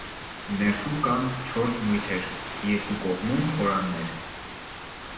Ներսում կան չորս մույթեր, երկու կողմերում՝ խորաններ։